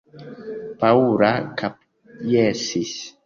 Paŭla kapjesis.